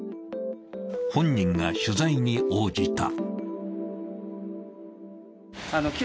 本人が取材に応じた。